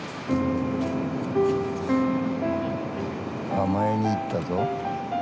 甘えに行ったぞ。